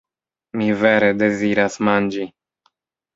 Mi vere deziras manĝi.